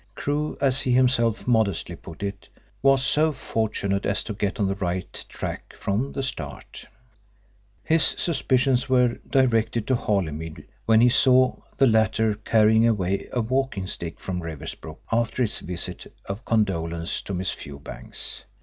Crewe, as he himself modestly put it, was so fortunate as to get on the right track from the start. His suspicions were directed to Holymead when he saw the latter carrying away a walking stick from Riversbrook after his visit of condolence to Miss Fewbanks.